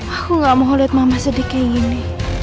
aku gak mau liat mama sedih kayak gini